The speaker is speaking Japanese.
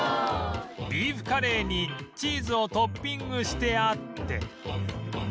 ビーフカレーにチーズをトッピングしてあって